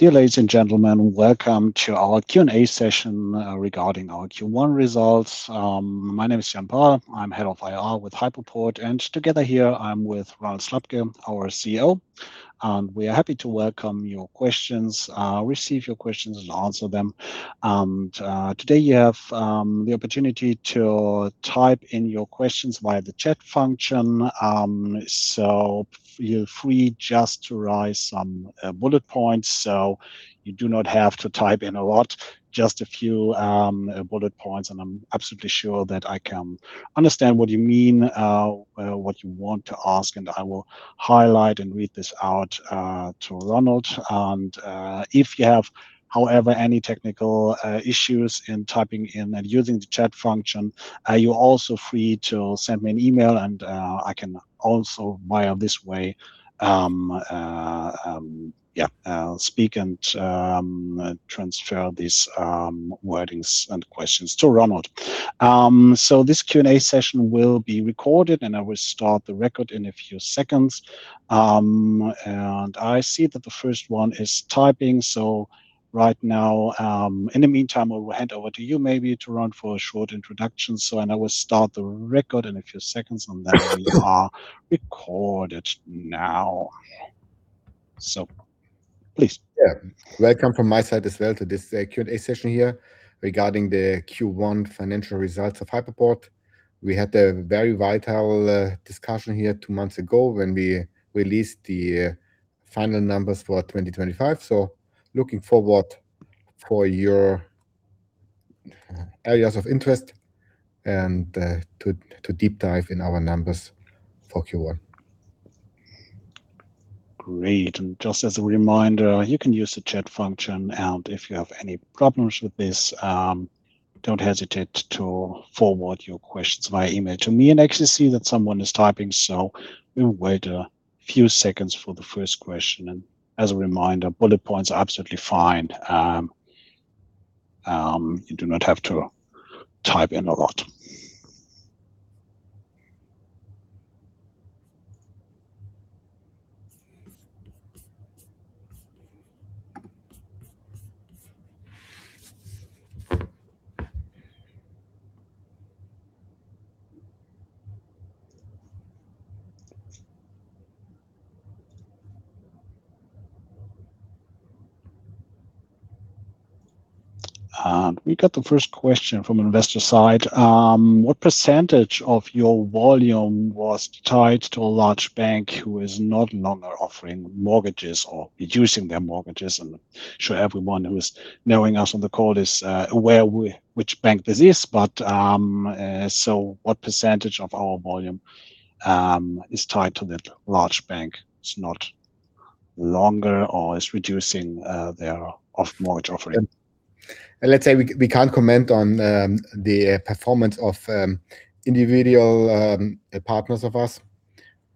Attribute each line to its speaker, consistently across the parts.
Speaker 1: Dear ladies and gentlemen, welcome to our Q&A session regarding our Q1 results. My name is Jan H. Pahl. I'm Head of IR with Hypoport, and together here I'm with Ronald Slabke, our CEO. We are happy to welcome your questions, receive your questions and answer them. Today you have the opportunity to type in your questions via the chat function. Feel free just to write some bullet points. You do not have to type in a lot, just a few bullet points, and I'm absolutely sure that I can understand what you mean, what you want to ask, and I will highlight and read this out to Ronald. If you have however any technical issues in typing in and using the chat function, you're also free to send me an email and I can also via this way, yeah, speak and transfer these wordings and questions to Ronald. This Q&A session will be recorded, and I will start the record in a few seconds. I see that the first one is typing, so right now, in the meantime, I will hand over to you maybe to run for a short introduction. I will start the record in a few seconds, and then we are recorded now. Please.
Speaker 2: Welcome from my side as well to this Q&A session here regarding the Q1 financial results of Hypoport. We had a very vital discussion here two months ago when we released the final numbers for 2025. Looking forward for your areas of interest and to deep dive in our numbers for Q1.
Speaker 1: Great. Just as a reminder, you can use the chat function and if you have any problems with this, don't hesitate to forward your questions via email to me. I actually see that someone is typing, so we'll wait a few seconds for the first question. As a reminder, bullet points are absolutely fine. You do not have to type in a lot. We got the first question from investor side. What percentage of your volume was tied to a large bank who is no longer offering mortgages or reducing their mortgages? I'm sure everyone who is joining us on the call is aware which bank this is. What percentage of our volume is tied to that large bank that's not longer or is reducing their mortgage offering?
Speaker 2: Let's say we can't comment on the performance of individual partners of ours.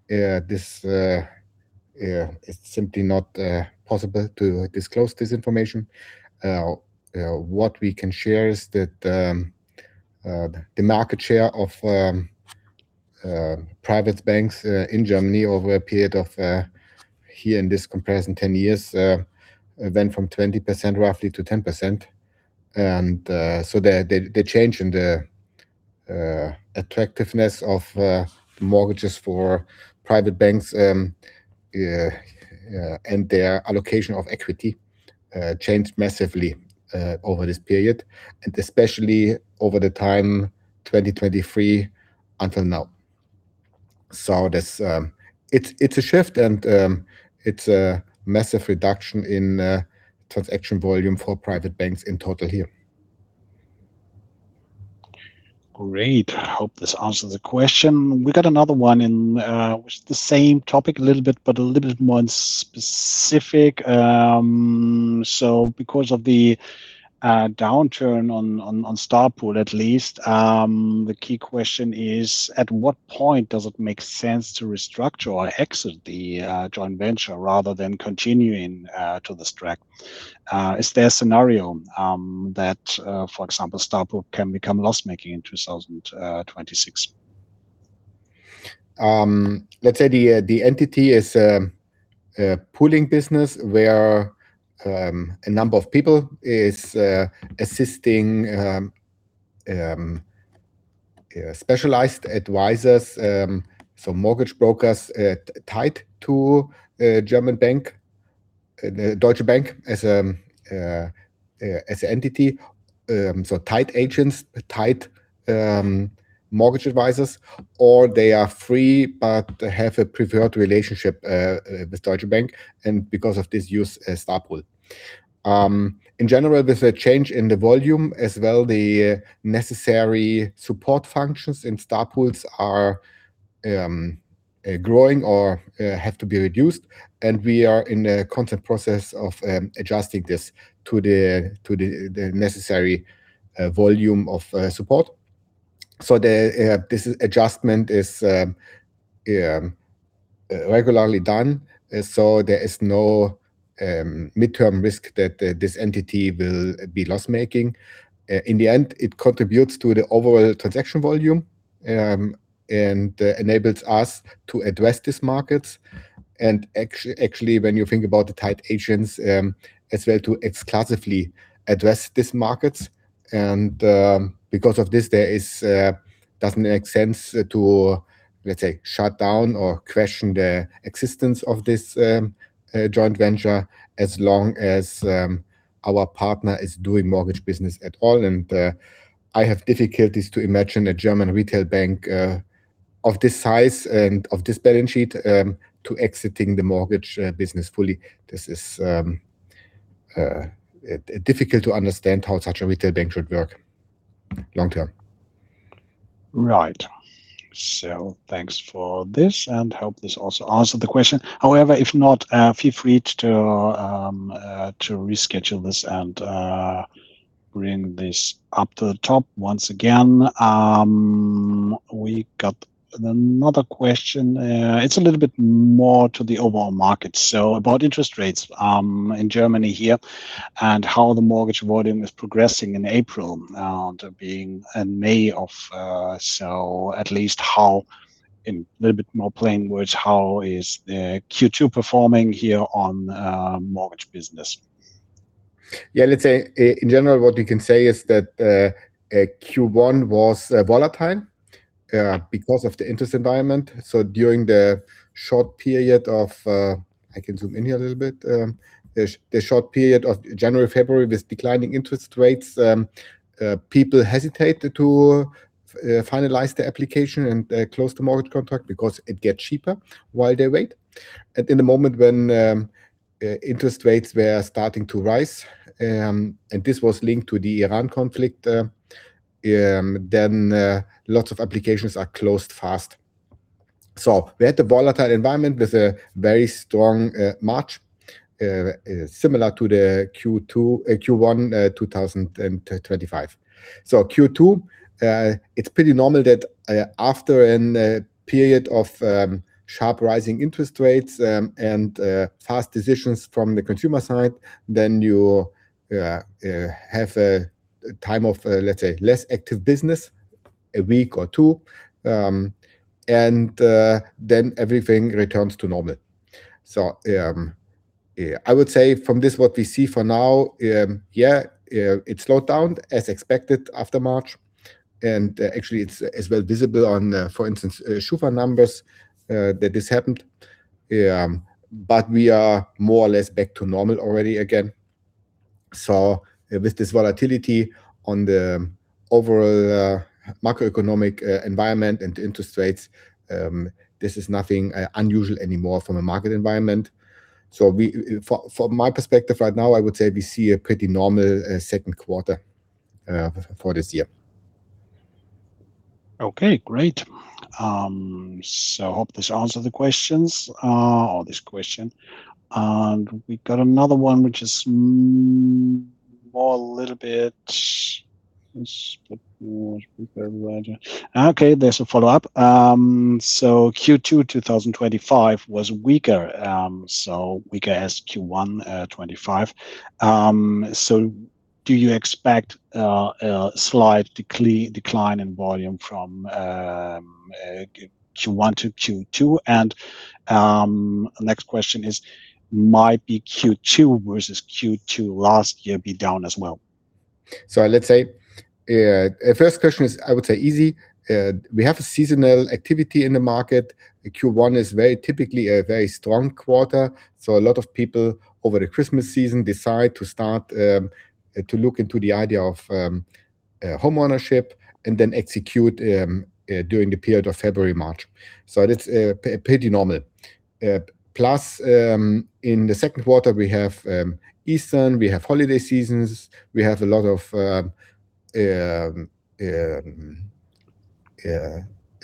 Speaker 2: This, it's simply not possible to disclose this information. What we can share is that the market share of private banks in Germany over a period of here in this comparison, 10 years, went from 20% roughly to 10%. The change in the attractiveness of mortgages for private banks and their allocation of equity changed massively over this period, and especially over the time 2023 until now. That's It's a shift and it's a massive reduction in transaction volume for private banks in total here.
Speaker 1: Great. Hope this answers the question. We got another one in, which the same topic a little bit, but a little bit more specific. Because of the downturn on Starpool at least, the key question is, at what point does it make sense to restructure or exit the joint venture rather than continuing to this track? Is there a scenario that, for example, Starpool can become loss-making in 2026?
Speaker 2: Let's say the entity is a pooling business where a number of people is assisting specialized advisors, so mortgage brokers, tied to a German bank, Deutsche Bank as an entity. So tied agents, tied mortgage advisors, or they are free, but they have a preferred relationship with Deutsche Bank and because of this use Starpool. In general, with a change in the volume as well, the necessary support functions in Starpools are growing or have to be reduced, and we are in a constant process of adjusting this to the, to the necessary volume of support. This adjustment is regularly done, so there is no midterm risk that this entity will be loss-making. In the end, it contributes to the overall transaction volume and enables us to address this market and actually when you think about the tight agents, as well to exclusively address this market. Because of this there is, doesn't make sense to, let's say, shut down or question the existence of this joint venture as long as our partner is doing mortgage business at all. I have difficulties to imagine a German retail bank of this size and of this balance sheet to exiting the mortgage business fully. This is difficult to understand how such a retail bank should work long term.
Speaker 1: Right. Thanks for this, and hope this also answered the question. However, if not, feel free to reschedule this and bring this up to the top once again. We got another question. It's a little bit more to the overall market, about interest rates in Germany here and how the mortgage volume is progressing in April and being in May of. At least how, in a little bit more plain words, how is the Q2 performing here on mortgage business?
Speaker 2: Let's say in general, what we can say is that Q1 was volatile because of the interest environment. During the short period of, I can zoom in here a little bit. The short period of January, February with declining interest rates, people hesitated to finalize the application and close the mortgage contract because it gets cheaper while they wait. In the moment when interest rates were starting to rise, and this was linked to the Iran conflict, then lots of applications are closed fast. We had a volatile environment with a very strong March, similar to the Q2, Q1 2025. Q2, it's pretty normal that after a period of sharp rising interest rates and fast decisions from the consumer side, you have a time of, let's say, less active business, a week or 2, and everything returns to normal. I would say from this what we see for now, it slowed down as expected after March, and actually it's as well visible on, for instance, SCHUFA numbers that this happened. We are more or less back to normal already again. With this volatility on the overall macroeconomic environment and interest rates, this is nothing unusual anymore from a market environment. We, from my perspective right now, I would say we see a pretty normal, second quarter, for this year.
Speaker 1: Okay, great. Hope this answered the questions, or this question. We got another one which is more a little bit. Okay, there's a follow-up. Q2 2025 was weaker, so weaker as Q1 2025. Do you expect a slight decline in volume from Q1 to Q2? Next question is, might be Q2 versus Q2 last year be down as well?
Speaker 2: Let's say, first question is, I would say easy. We have a seasonal activity in the market. Q1 is very typically a very strong quarter, so a lot of people over the Christmas season decide to start to look into the idea of homeownership and then execute during the period of February, March. That's pretty normal. Plus, in the second quarter, we have Easter, we have holiday seasons, we have a lot of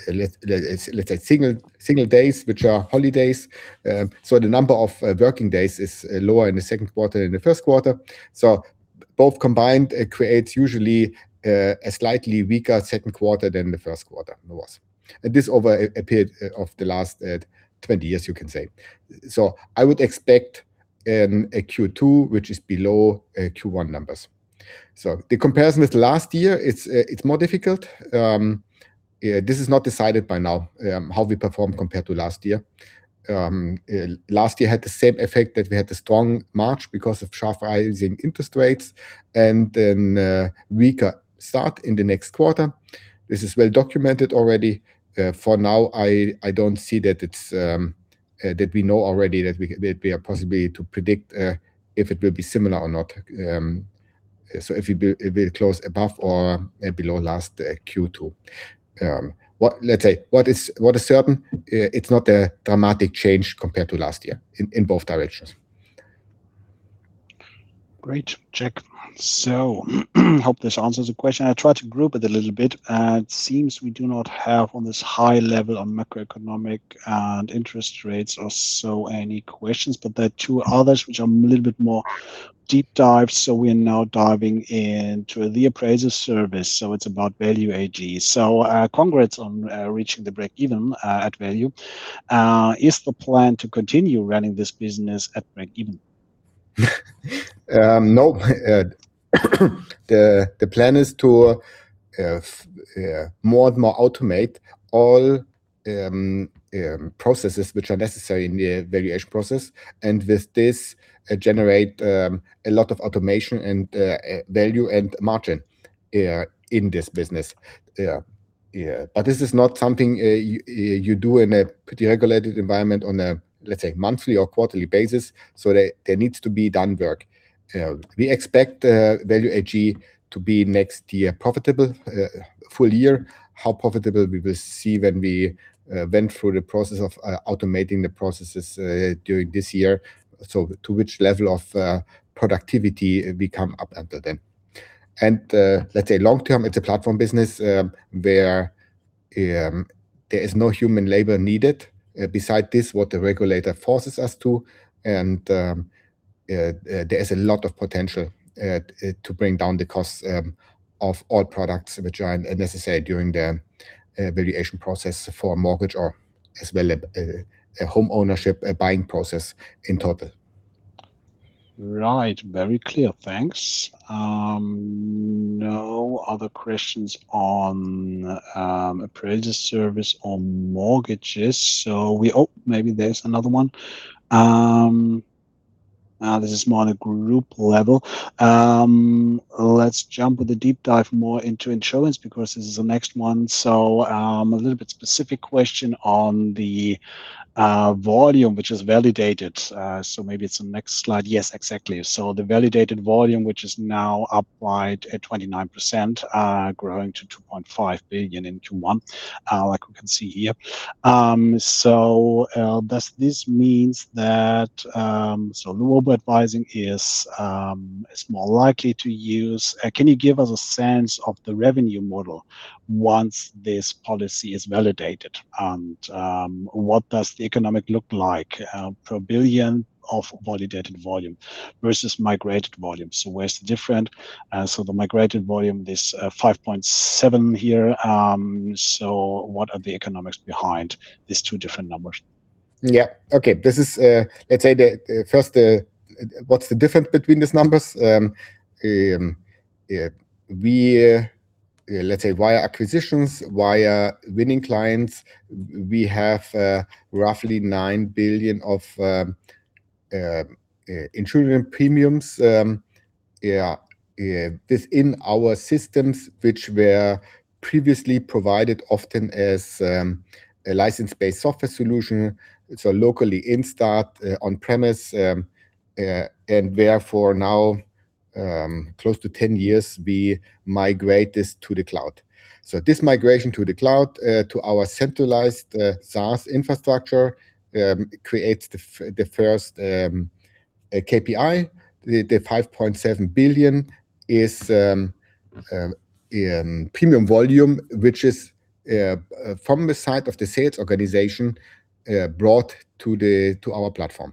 Speaker 2: let's say single days which are holidays. The number of working days is lower in the second quarter than the first quarter. Both combined creates usually a slightly weaker second quarter than the first quarter was. This over a period of the last 20 years you can say. I would expect a Q2 which is below Q1 numbers. The comparison with last year, it's more difficult. This is not decided by now how we perform compared to last year. Last year had the same effect that we had the strong March because of sharp rise in interest rates and then a weaker start in the next quarter. This is well documented already. For now, I don't see that it's that we know already that there'd be a possibility to predict if it will be similar or not. If it be, it will close above or below last Q2. What, let's say, what is certain, it's not a dramatic change compared to last year in both directions.
Speaker 1: Great. Check. Hope this answers the question. I tried to group it a little bit. It seems we do not have on this high level on macroeconomic and interest rates or so any questions, but there are two others which are a little bit more deep dive. We are now diving into the appraiser service. It's about Value AG. Congrats on reaching the break even at Value. Is the plan to continue running this business at break even?
Speaker 2: Nope. The plan is to more and more automate all processes which are necessary in the valuation process, and with this, generate a lot of automation and value and margin in this business. Yeah. This is not something you do in a pretty regulated environment on a, let's say, monthly or quarterly basis, so there needs to be done work. We expect Value AG to be next year profitable, full year. How profitable, we will see when we went through the process of automating the processes during this year, so to which level of productivity we come up under then. Let's say long-term, it's a platform business, where there is no human labor needed, besides this what the regulator forces us to, and there is a lot of potential to bring down the cost of all products which are necessary during the valuation process for a mortgage or as well, a home ownership, a buying process in total.
Speaker 1: Right. Very clear. Thanks. No other questions on appraisal service or mortgages, so we Oh, maybe there's another one. This is more on a group level. Let's jump with a deep dive more into insurance, because this is the next one. A little bit specific question on the volume, which is validated. Maybe it's the next slide. Yes, exactly. The validated volume, which is now up right at 29%, growing to 2.5 billion in Q1, like we can see here. Does this mean that global advising is more likely to use? Can you give us a sense of the revenue model once this policy is validated, and what does the economic look like per billion of validated volume versus migrated volume? Where's the different, so the migrated volume, this, 5.7 here. What are the economics behind these two different numbers?
Speaker 2: Yeah. Okay. This is, let's say the first, what's the difference between these numbers? We, let's say via acquisitions, via winning clients, we have roughly 9 billion of insurance premiums within our systems, which were previously provided often as a license-based software solution, so locally installed on-premises. Therefore now, close to 10 years, we migrate this to the cloud. This migration to the cloud, to our centralized SaaS infrastructure, creates the first KPI. The 5.7 billion is premium volume, which is from the side of the sales organization brought to our platform.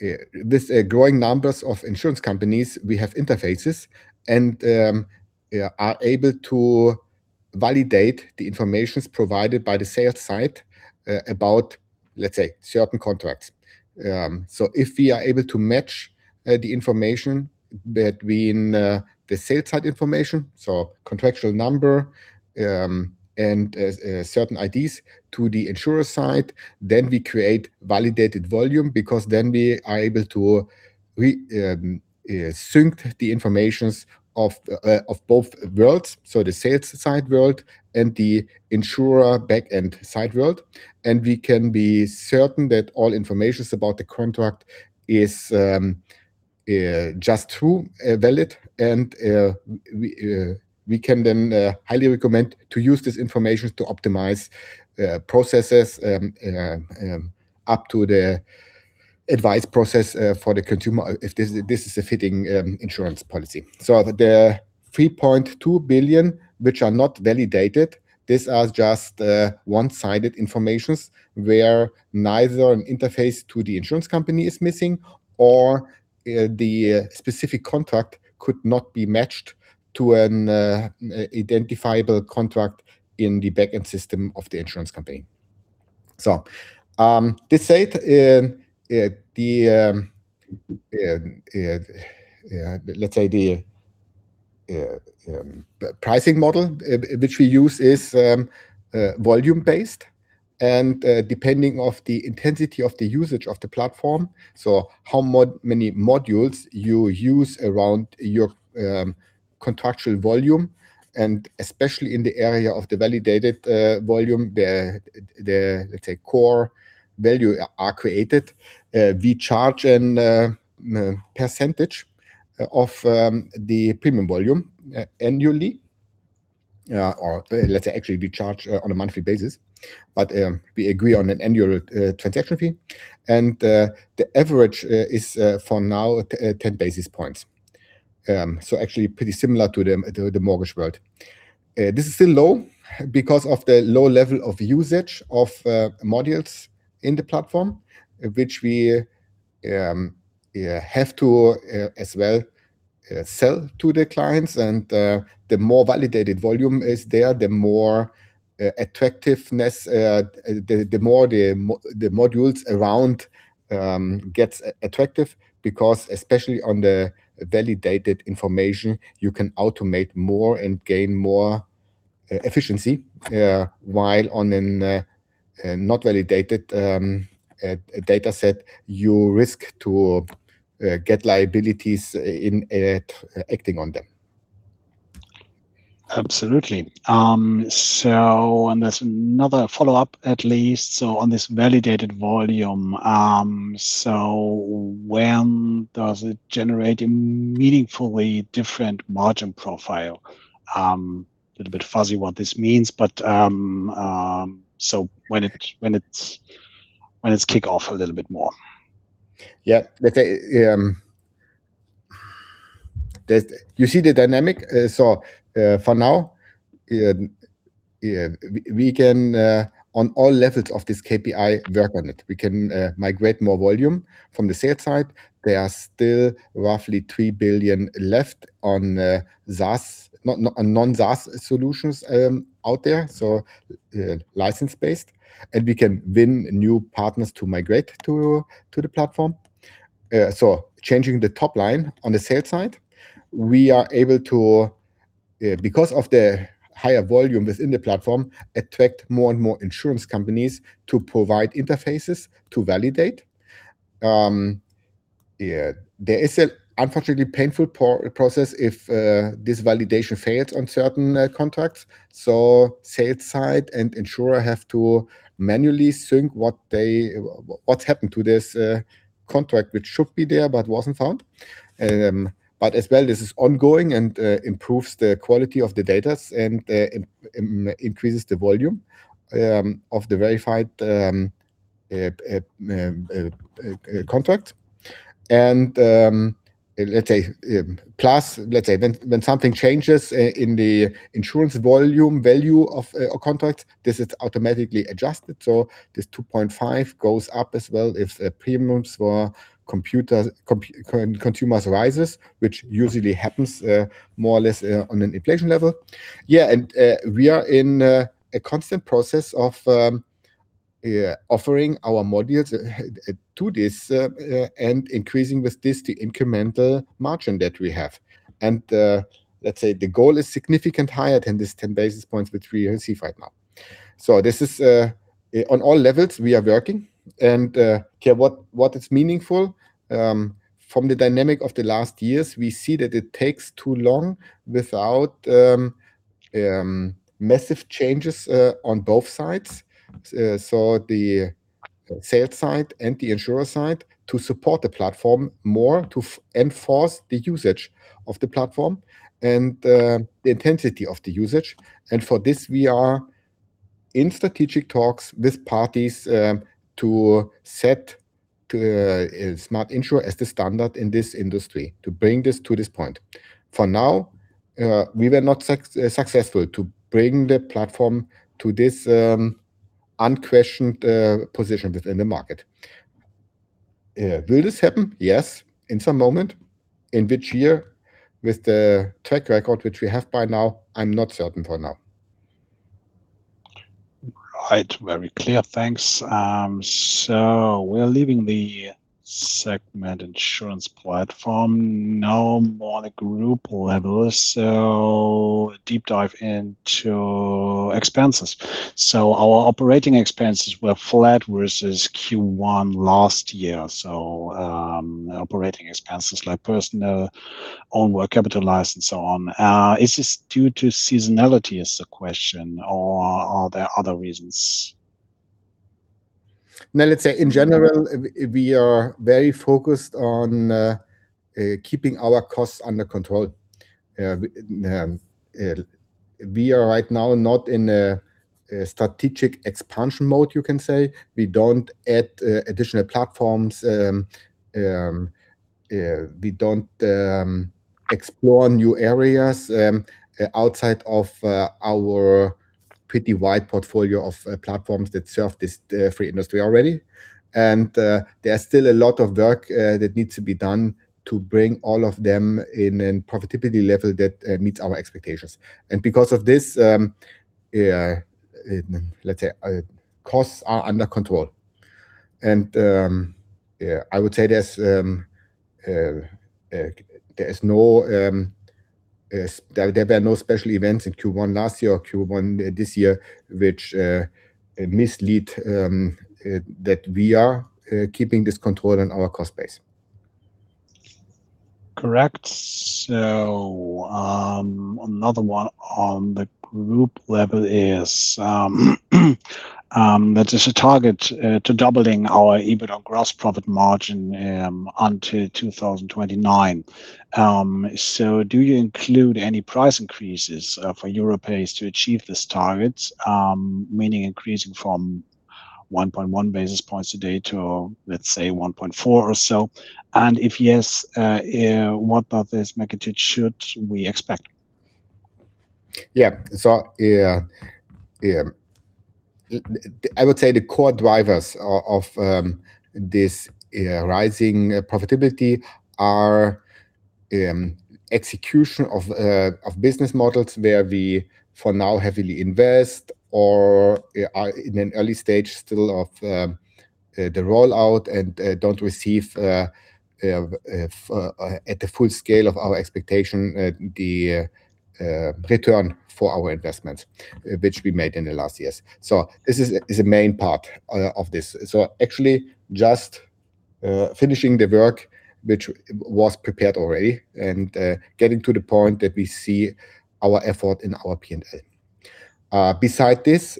Speaker 2: This growing numbers of insurance companies, we have interfaces and are able to validate the informations provided by the sales side about, let's say, certain contracts. If we are able to match the information between the sales side information, so contractual number, and certain IDs to the insurer side, then we create validated volume, because then we are able to re-sync the informations of both worlds, so the sales side world and the insurer back and side world, and we can be certain that all informations about the contract is just true, valid. We can then highly recommend to use this information to optimize processes up to the advice process for the consumer, if this is a fitting insurance policy. The 3.2 billion, which are not validated, these are just one-sided informations where neither an interface to the insurance company is missing or the specific contract could not be matched to an identifiable contract in the backend system of the insurance company. They said the, let's say, the pricing model which we use is volume-based. Depending of the intensity of the usage of the platform, so how many modules you use around your contractual volume, and especially in the area of the validated volume, the, let's say, core value are created. We charge an percentage of the premium volume annually. Or, let's say, actually we charge on a monthly basis. We agree on an annual transaction fee. The average is for now 10 basis points. Actually, pretty similar to the mortgage world. This is still low because of the low level of usage of modules in the platform, which we have to as well sell to the clients. The more validated volume is there, the more attractiveness, the more the modules around gets attractive because especially on the validated information, you can automate more and gain more efficiency. While on an not validated data set, you risk to get liabilities in acting on them.
Speaker 1: Absolutely. There's another follow-up at least. On this validated volume, when does it generate a meaningfully different margin profile? Little bit fuzzy what this means, but when it kicks off a little bit more.
Speaker 2: Yeah. You see the dynamic. For now, we can on all levels of this KPI work on it. We can migrate more volume from the sales side. There are still roughly 3 billion left on non-SaaS solutions out there, so license-based. We can win new partners to migrate to the platform. Changing the top line on the sales side, we are able to, because of the higher volume within the platform, attract more and more insurance companies to provide interfaces to validate. There is a unfortunately painful process if this validation fails on certain contracts. Sales side and insurer have to manually sync what they, what happened to this contract which should be there but wasn't found. As well, this is ongoing and improves the quality of the data and increases the volume of the verified contract. Let's say, plus, when something changes in the insurance volume value of a contract, this is automatically adjusted. This 2.5 goes up as well if premiums for consumers rise, which usually happens more or less on an inflation level. We are in a constant process of offering our modules to this and increasing with this the incremental margin that we have. The goal is significantly higher than this 10 basis points which we can see right now. This is on all levels we are working. What is meaningful from the dynamic of the last years, we see that it takes too long without massive changes on both sides, so the sales side and the insurer side, to support the platform more, to enforce the usage of the platform and the intensity of the usage. For this we are in strategic talks with parties to set SMART INSUR as the standard in this industry to bring this to this point. For now, we were not successful to bring the platform to this unquestioned position within the market. Will this happen? Yes, in some moment. In which year? With the track record which we have by now, I'm not certain for now.
Speaker 1: Right. Very clear. Thanks. We're leaving the segment insurance platform. Now more the group level. Deep dive into expenses. Our operating expenses were flat versus Q1 last year. Operating expenses like personnel, own work capitalized, so on. Is this due to seasonality is the question, or are there other reasons?
Speaker 2: No, let's say in general, we are very focused on keeping our costs under control. We are right now not in a strategic expansion mode you can say. We don't add additional platforms. We don't explore new areas outside of our pretty wide portfolio of platforms that serve this industry already. There are still a lot of work that needs to be done to bring all of them in a profitability level that meets our expectations. Because of this, let's say, costs are under control. Yeah, I would say there were no special events in Q1 last year or Q1 this year which mislead that we are keeping this control on our cost base.
Speaker 1: Correct. Another one on the group level is that is a target to doubling our EBITDA gross profit margin onto 2029. Do you include any price increases for Europace to achieve these targets? Meaning increasing from 1.1 basis points today to, let's say, 1.4 or so. If yes, what about this magnitude should we expect?
Speaker 2: Yeah. I would say the core drivers of this rising profitability are execution of business models where we, for now, heavily invest or are in an early stage still of the rollout and don't receive at the full scale of our expectation the return for our investments which we made in the last years. This is a main part of this. Actually just finishing the work which was prepared already and getting to the point that we see our effort in our P&L. Beside this,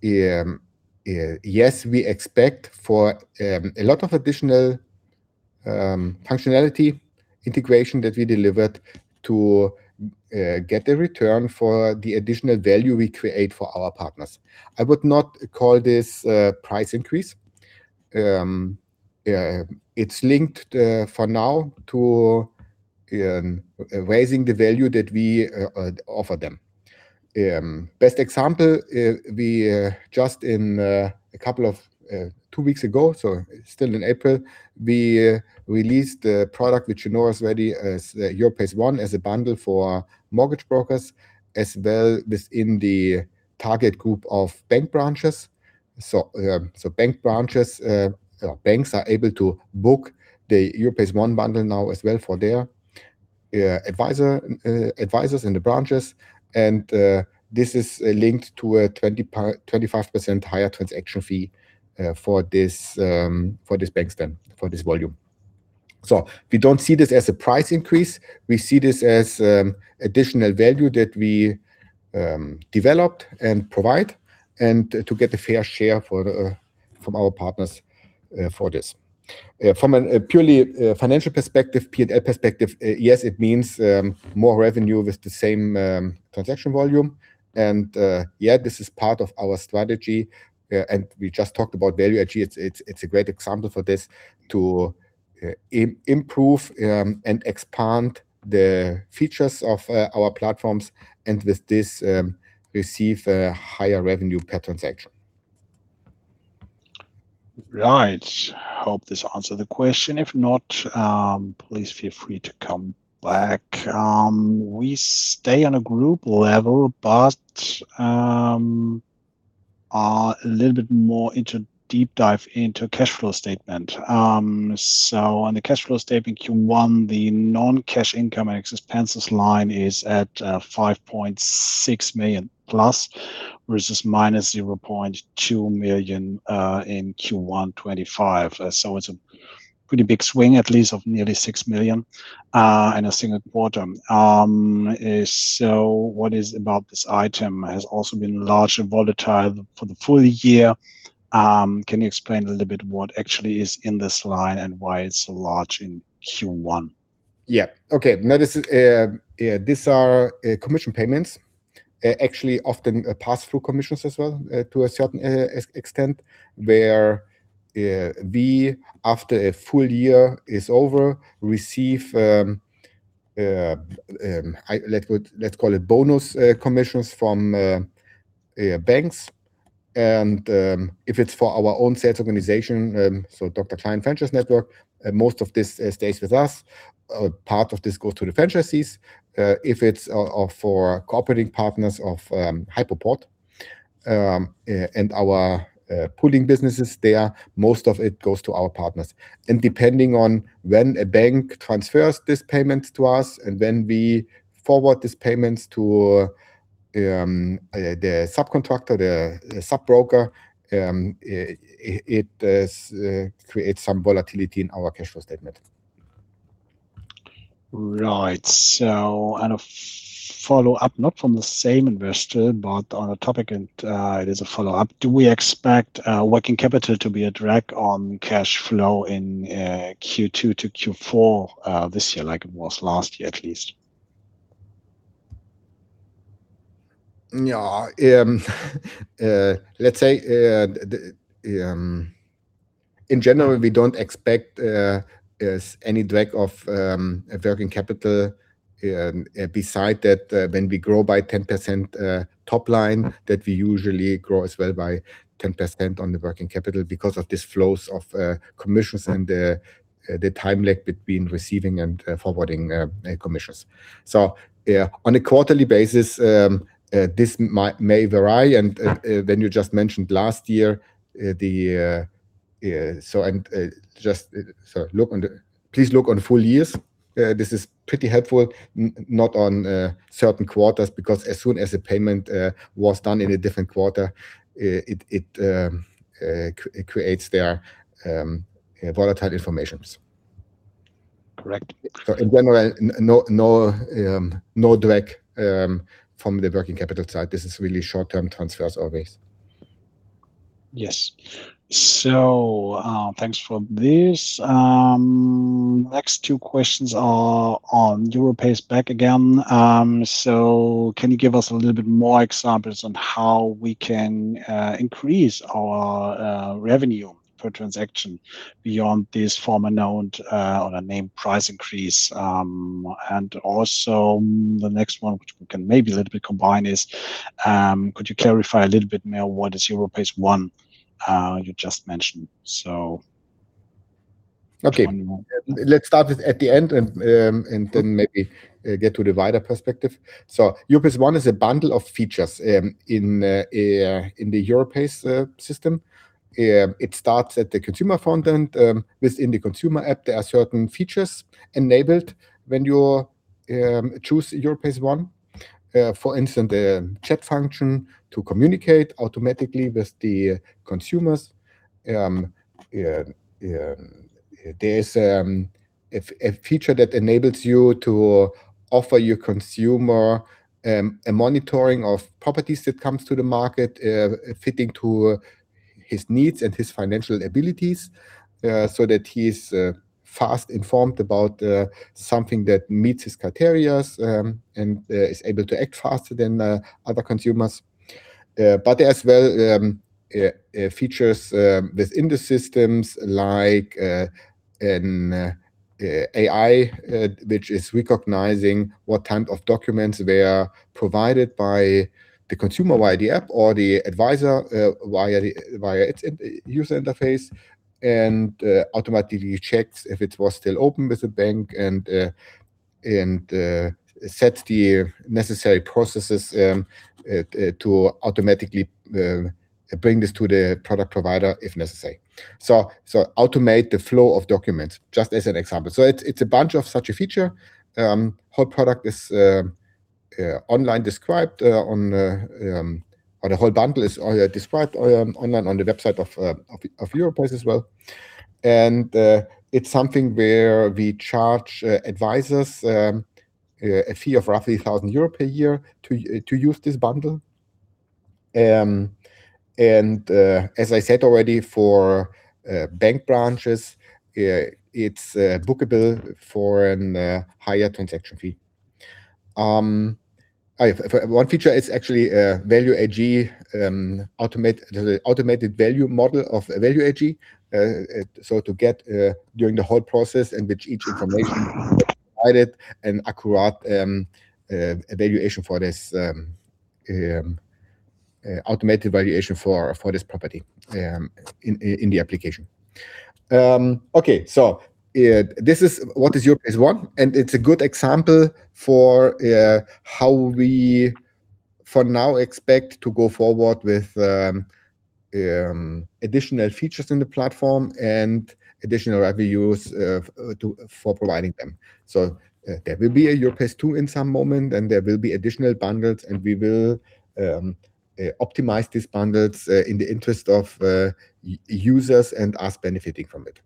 Speaker 2: yes, we expect for a lot of additional functionality integration that we delivered to get the return for the additional value we create for our partners. I would not call this a price increase. It's linked for now to raising the value that we offer them. Best example, we just in a couple of two weeks ago, so still in April, we released a product which you know already as Europace One as a bundle for mortgage brokers as well within the target group of bank branches. Bank branches or banks are able to book the Europace One bundle now as well for their advisor advisors in the branches. This is linked to a 25% higher transaction fee for this for this bank segment, for this volume. We don't see this as a price increase. We see this as additional value that we developed and provide and to get a fair share for from our partners for this. From a purely financial perspective, P&L perspective, yes, it means more revenue with the same transaction volume. Yeah, this is part of our strategy. We just talked about value. Actually, it's a great example for this to improve and expand the features of our platforms and with this receive a higher revenue per transaction.
Speaker 1: Right. Hope this answered the question. If not, please feel free to come back. We stay on a group level, but a little bit more into deep dive into cash flow statement. On the cash flow statement Q1, the non-cash income and expenses line is at 5.6 million plus versus minus 0.2 million in Q1 2025. It's a pretty big swing at least of nearly 6 million in a single quarter. What is about this item has also been largely volatile for the full year. Can you explain a little bit what actually is in this line and why it's so large in Q1?
Speaker 2: Okay. This is, these are commission payments. Actually often pass-through commissions as well, to a certain extent where we, after a full year is over, receive, Let's call it bonus commissions from banks and, if it's for our own sales organization, so Dr. Klein franchise network, most of this stays with us. Part of this goes to the franchisees. If it's for cooperating partners of Hypoport and our pooling businesses there, most of it goes to our partners. Depending on when a bank transfers this payment to us and when we forward this payments to the subcontractor, the sub-broker, it creates some volatility in our cash flow statement.
Speaker 1: Right. And a follow-up, not from the same investor, but on a topic and it is a follow-up. Do we expect working capital to be a drag on cash flow in Q2 to Q4 this year like it was last year at least?
Speaker 2: Let's say, in general, we don't expect any drag of working capital. Beside that, when we grow by 10% top line, we usually grow as well by 10% on the working capital because of these flows of commissions and the time lag between receiving and forwarding commissions. Yeah, on a quarterly basis, this might vary. And when you just mentioned last year, Please look on full years, this is pretty helpful. Not on certain quarters because as soon as a payment was done in a different quarter, it creates there volatile information.
Speaker 1: Correct.
Speaker 2: In general, no drag from the working capital side. This is really short-term transfers always.
Speaker 1: Yes. So, thanks for this. Next two questions are on Europace back again. Can you give us a little bit more examples on how we can increase our revenue per transaction beyond this former known or a name price increase? The next one, which we can maybe a little bit combine is, could you clarify a little bit more what is Europace One you just mentioned?
Speaker 2: Okay.
Speaker 1: One more.
Speaker 2: Let's start with at the end, then maybe get to the wider perspective. Europace One is a bundle of features in the Europace system. It starts at the consumer front end. Within the consumer app, there are certain features enabled when you're choose Europace One. For instance, a chat function to communicate automatically with the consumers. There's a feature that enables you to offer your consumer a monitoring of properties that comes to the market, fitting to his needs and his financial abilities, so that he's fast informed about something that meets his criteria, and is able to act faster than other consumers. As well, features within the systems like an AI, which is recognizing what kind of documents were provided by the consumer via the app or the advisor via its user interface, and automatically checks if it was still open with the bank and sets the necessary processes to automatically bring this to the product provider if necessary. Automate the flow of documents, just as an example. It's a bunch of such a feature. Whole product is online described on, or the whole bundle is described online on the website of Europace as well. It's something where we charge advisors a fee of roughly 1,000 euro per year to use this bundle. As I said already, for bank branches, it's bookable for a higher transaction fee. One feature is actually Value AG, The automated value model of Value AG. So to get during the whole process in which each information provided an accurate valuation for this automated valuation for this property in the application. This is what is Europace One, and it's a good example for how we, for now, expect to go forward with additional features in the platform and additional revenues to for providing them. There will be a Europace Two in some moment, and there will be additional bundles, and we will optimize these bundles in the interest of users and us benefiting from it.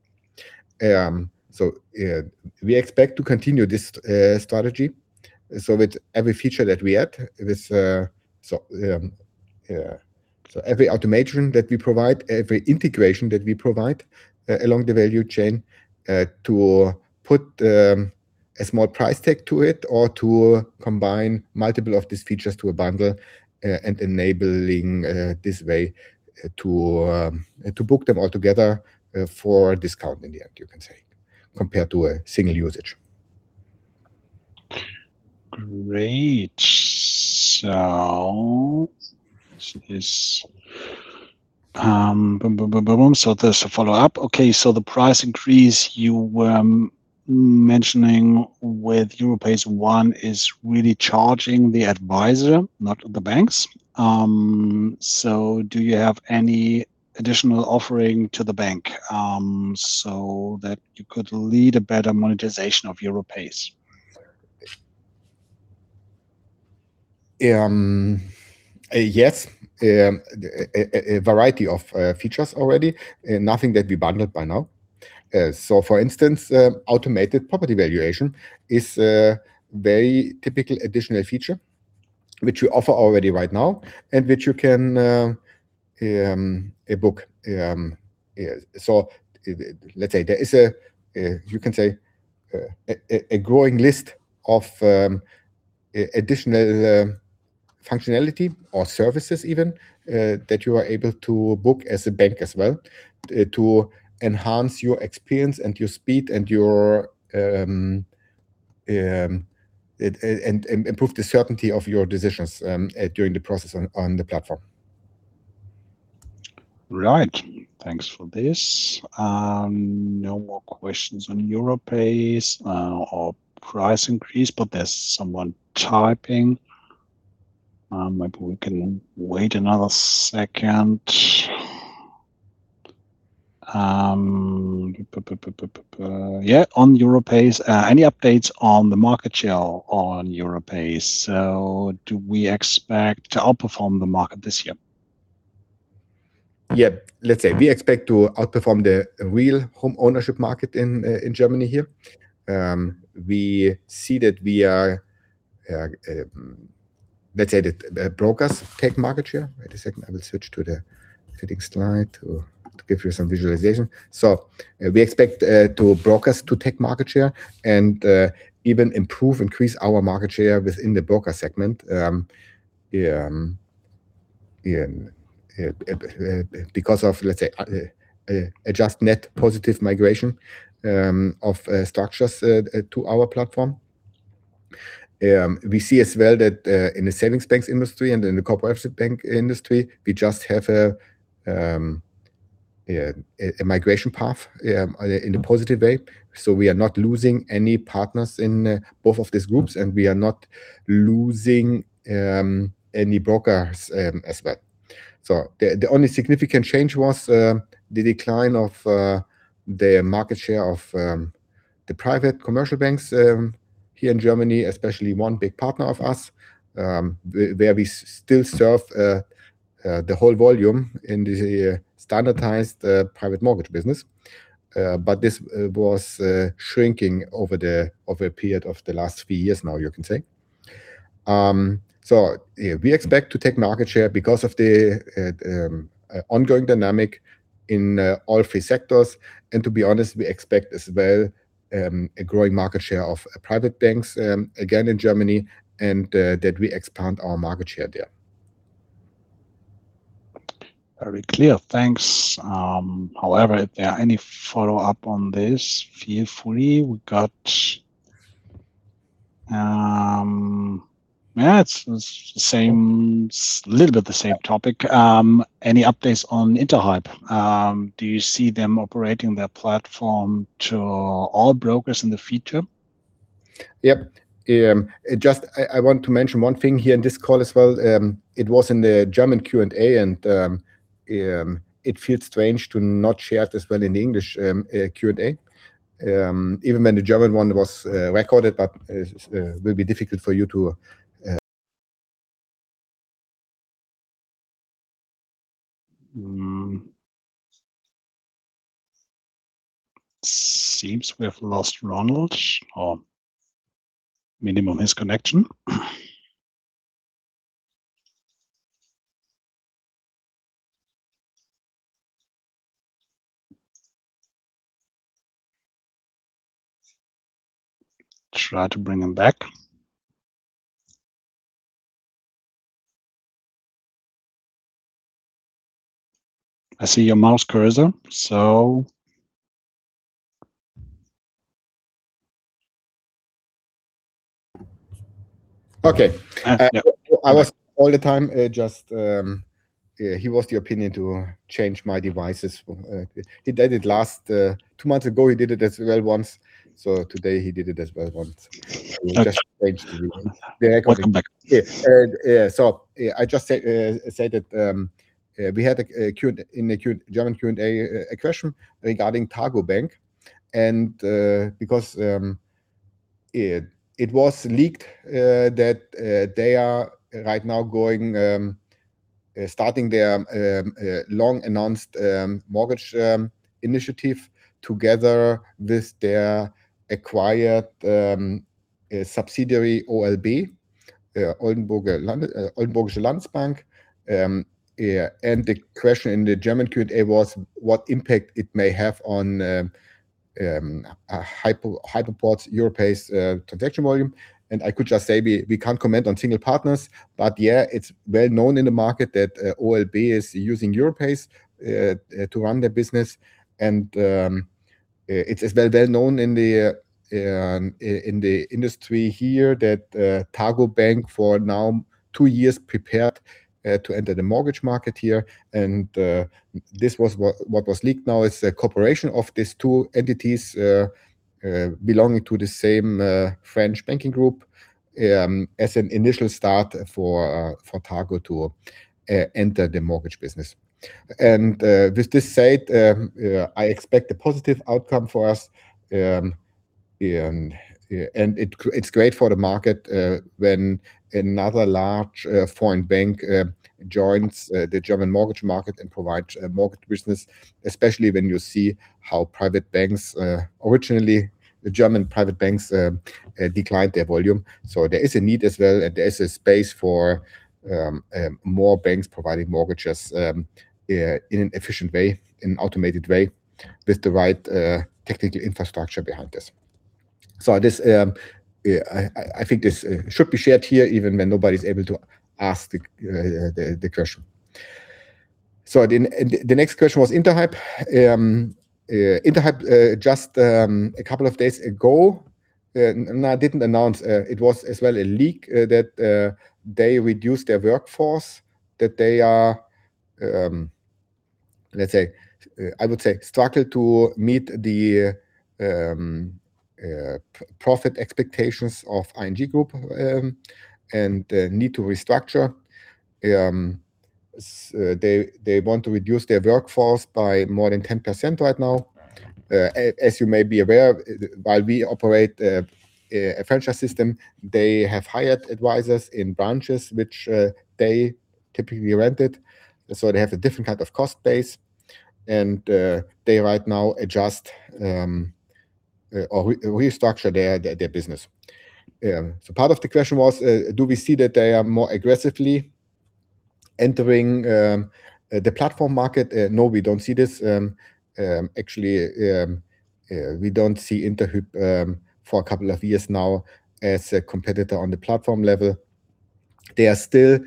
Speaker 2: We expect to continue this strategy, so with every feature that we add with every automation that we provide, every integration that we provide along the value chain, to put a small price tag to it or to combine multiple of these features to a bundle, and enabling this way to book them all together for a discount in the end, you can say, compared to a single usage.
Speaker 1: Great. There's a follow-up. The price increase you were mentioning with Europace One is really charging the advisor, not the banks. Do you have any additional offering to the bank, so that you could lead a better monetization of Europace?
Speaker 2: Yes. A variety of features already. Nothing that we bundled by now. For instance, automated property valuation is a very typical additional feature which we offer already right now and which you can book. Let's say there is a growing list of additional functionality or services even that you are able to book as a bank as well to enhance your experience and your speed and your And improve the certainty of your decisions during the process on the platform.
Speaker 1: Right. Thanks for this. No more questions on Europace or price increase, but there's someone typing. Maybe we can wait another second. On Europace, any updates on the market share on Europace? Do we expect to outperform the market this year?
Speaker 2: Yeah. Let's say we expect to outperform the real homeownership market in Germany here. We see that we are, Let's say that brokers take market share. Wait a second, I will switch to the fitting slide to give you some visualization. We expect to brokers to take market share and even improve, increase our market share within the broker segment, because of, let's say, adjust net positive migration of structures to our platform. We see as well that in the savings banks industry and in the cooperative bank industry, we just have a migration path in a positive way. We are not losing any partners in both of these groups, and we are not losing any brokers as well. The only significant change was the decline of the market share of the private commercial banks here in Germany, especially one big partner of us, where we still serve the whole volume in the standardized private mortgage business. But this was shrinking over a period of the last few years now, you can say. Yeah, we expect to take market share because of the ongoing dynamic in all three sectors. To be honest, we expect as well a growing market share of private banks again in Germany and that we expand our market share there.
Speaker 1: Very clear. Thanks. If there are any follow-up on this, feel free. Yeah, it's the same, little bit the same topic. Any updates on Interhyp? Do you see them operating their platform to all brokers in the future?
Speaker 2: Yep. I want to mention one thing here in this call as well. It was in the German Q&A. It feels strange to not share it as well in the English Q&A. Even when the German one was recorded, it will be difficult for you to.
Speaker 1: Hmm. Seems we have lost Ronald or minimum his connection. Try to bring him back. I see your mouse cursor, so.
Speaker 2: Okay.
Speaker 1: no.
Speaker 2: I was all the time, just Yeah, he was the opinion to change my devices. He did it last, two months ago, he did it as well once. Today he did it as well once. We just changed.
Speaker 1: Welcome back.
Speaker 2: I just say that we had a German Q&A a question regarding Targobank because it was leaked that they are right now going starting their long announced mortgage initiative together with their acquired subsidiary, OLB, Oldenburgische Landesbank. The question in the German Q&A was what impact it may have on Hypoport's Europace transaction volume. I could just say we can't comment on single partners, but it's well-known in the market that OLB is using Europace to run their business. It's well-known in the industry here that Targobank for now two years prepared to enter the mortgage market here. This was what was leaked now is a cooperation of these two entities belonging to the same French banking group as an initial start for Targo to enter the mortgage business. With this said, I expect a positive outcome for us. It's great for the market when another large foreign bank joins the German mortgage market and provides a mortgage business, especially when you see how private banks Originally, the German private banks declined their volume. There is a need as well, and there is a space for more banks providing mortgages in an efficient way, in an automated way with the right technical infrastructure behind this. This I think this should be shared here even when nobody's able to ask the question. The next question was Interhyp. Interhyp just a couple of days ago didn't announce it was as well a leak that they reduced their workforce, that they are let's say I would say struggled to meet the profit expectations of ING Group and need to restructure. They want to reduce their workforce by more than 10% right now. As you may be aware, while we operate a franchise system, they have hired advisors in branches which they typically rented. They have a different kind of cost base, and they right now adjust or restructure their business. Part of the question was, do we see that they are more aggressively entering the platform market? No, we don't see this. Actually, we don't see Interhyp for a couple of years now as a competitor on the platform level. They are still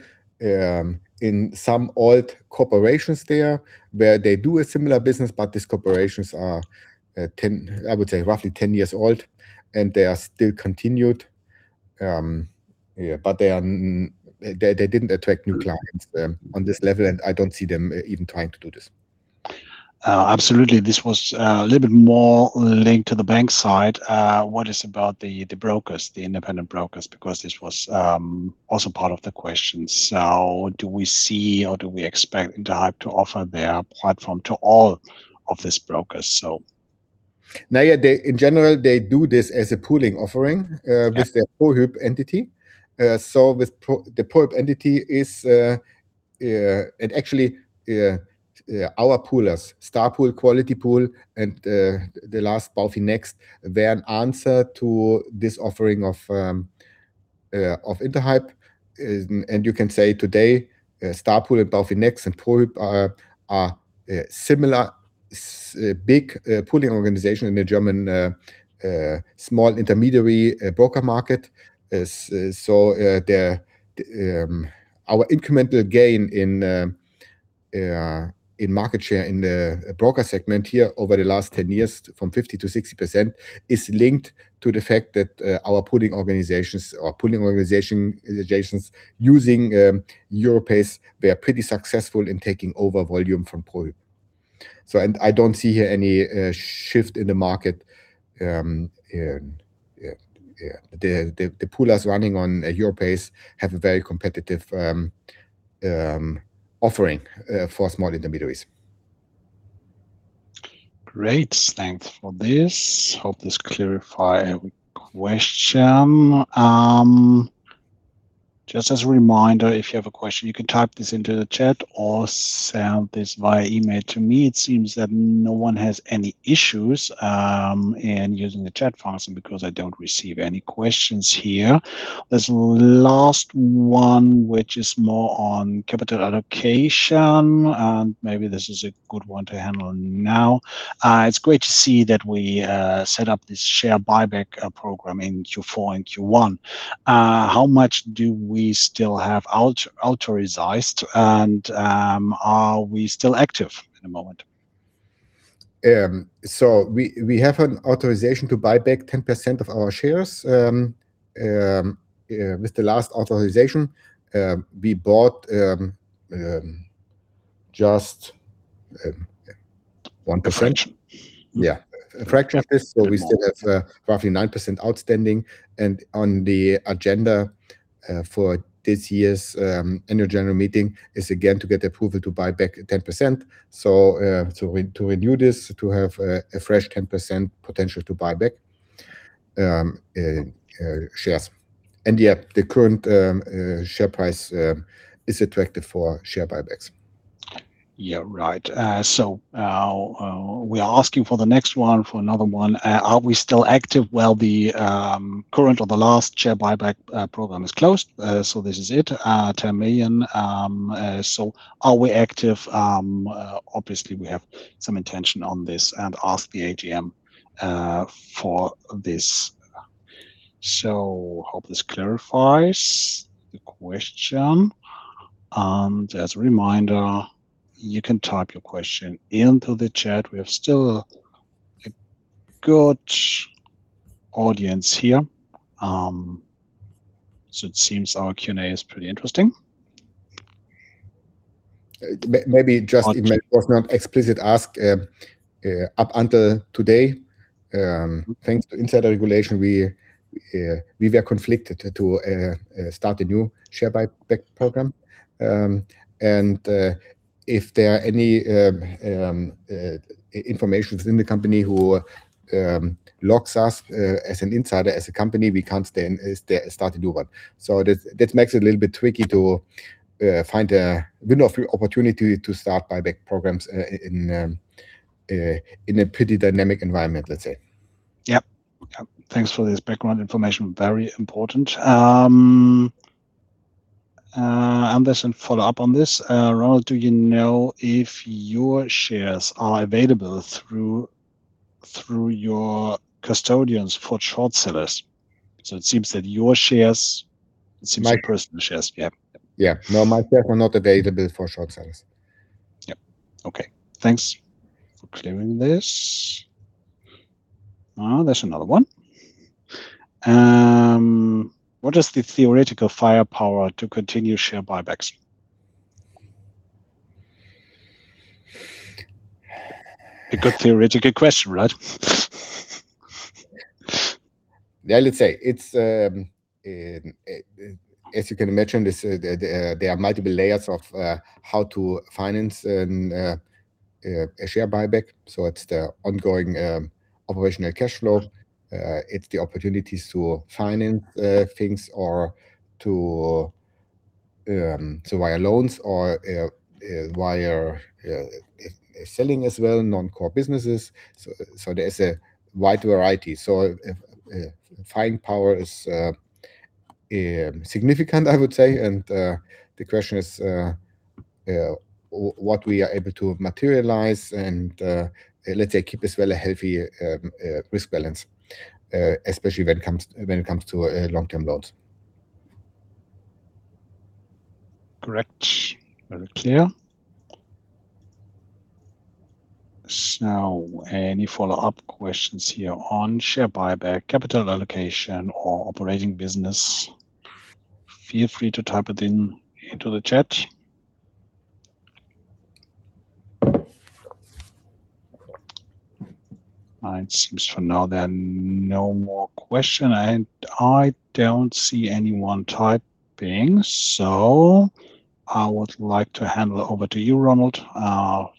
Speaker 2: in some old corporations there where they do a similar business, but these corporations are I would say roughly 10 years old, and they are still continued. Yeah, they didn't attract new clients on this level, and I don't see them even trying to do this.
Speaker 1: Absolutely. This was a little bit more linked to the bank side. What is about the brokers, the independent brokers? Because this was also part of the question. Do we see or do we expect Interhyp to offer their platform to all of these brokers?
Speaker 2: Now, yeah, in general, they do this as a pooling offering.
Speaker 1: Yeah
Speaker 2: with their Prohyp entity. The Prohyp entity is it actually our poolers, Starpool, Qualitypool, and the last Baufinex, they're an answer to this offering of Interhyp. You can say today Starpool and Baufinex and Prohyp are similar big pooling organization in the German small intermediary broker market. Our incremental gain in market share in the broker segment here over the last 10 years from 50% to 60% is linked to the fact that our pooling organizations using Europace, they are pretty successful in taking over volume from Prohyp. I don't see here any shift in the market. The poolers running on Europace have a very competitive offering for small intermediaries.
Speaker 1: Great. Thanks for this. Hope this clarify question. Just as a reminder, if you have a question, you can type this into the chat or send this via email to me. It seems that no one has any issues in using the chat function because I don't receive any questions here. This last one, which is more on capital allocation, and maybe this is a good one to handle now. It's great to see that we set up this share buyback program in Q4 and Q1. How much do we still have authorized? Are we still active at the moment?
Speaker 2: We have an authorization to buy back 10% of our shares. With the last authorization, we bought just.
Speaker 1: 1%?
Speaker 2: Yeah. A fraction of this.
Speaker 1: A fraction.
Speaker 2: We still have roughly 9% outstanding. On the agenda for this year's annual general meeting is again to get approval to buy back 10%. To renew this, to have a fresh 10% potential to buy back shares. The current share price is attractive for share buybacks.
Speaker 1: Yeah, right. Now, we are asking for the next one, for another one. Are we still active? Well, the current or the last share buyback program is closed. This is it, EUR 10 million. Are we active? Obviously we have some intention on this and ask the AGM for this. Hope this clarifies the question. As a reminder, you can type your question into the chat. We have still a good audience here, so it seems our Q&A is pretty interesting.
Speaker 2: Uh, may- maybe just-
Speaker 1: Audience-
Speaker 2: it was not explicit asked up until today, thanks to insider regulation, we were conflicted to start a new share buyback program. If there are any informations in the company who locks us as an insider, as a company, we can't then start a new one. That makes it a little bit tricky to find a window of opportunity to start buyback programs in a pretty dynamic environment, let's say.
Speaker 1: Yeah. Okay. Thanks for this background information. Very important. There's a follow-up on this. Ronald, do you know if your shares are available through your custodians for short sellers? It seems that your shares-
Speaker 2: My-
Speaker 1: It seems your personal shares. Yeah.
Speaker 2: Yeah. No, my shares are not available for short sellers.
Speaker 1: Yeah. Okay. Thanks for clearing this. There's another one. What is the theoretical firepower to continue share buybacks? A good theoretical question, right?
Speaker 2: Yeah, let's say it's, as you can imagine, this, there are multiple layers of how to finance an a share buyback. It's the ongoing operational cash flow. It's the opportunities to finance things or to via loans or via selling as well non-core businesses. There's a wide variety. If firing power is significant, I would say. The question is what we are able to materialize and let's say keep as well a healthy risk balance, especially when it comes to a long-term load.
Speaker 1: Correct. Very clear. Any follow-up questions here on share buyback, capital allocation or operating business? Feel free to type it in into the chat. It seems for now there are no more question, I don't see anyone typing, I would like to hand it over to you, Ronald,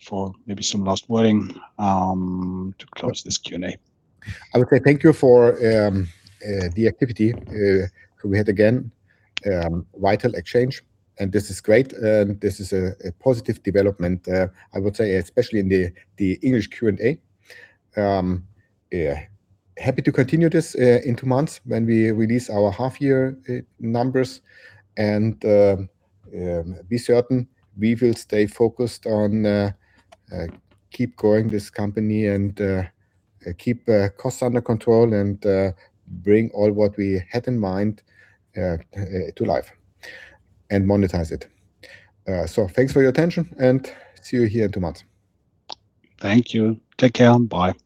Speaker 1: for maybe some last wording to close this Q&A.
Speaker 2: I would say thank you for the activity. We had again vital exchange, this is great. This is a positive development, I would say especially in the English Q&A. Yeah, happy to continue this in two months when we release our half year numbers. Be certain we will stay focused on keep growing this company and keep costs under control and bring all what we had in mind to life and monetize it. Thanks for your attention, see you here in two months.
Speaker 1: Thank you. Take care and bye.